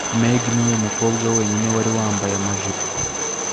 Meg niwe mukobwa wenyine wari wambaye amajipo